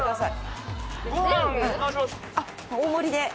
大盛りで。